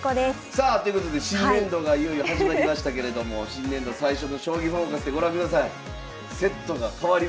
さあということで新年度がいよいよ始まりましたけれども新年度最初の「将棋フォーカス」でご覧ください。